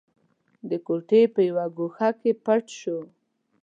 د کوټې په يوه ګوښه کې پټ شو.